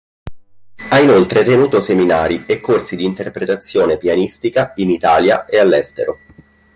Ha inoltre tenuto seminari e corsi di interpretazione pianistica in Italia e all'estero.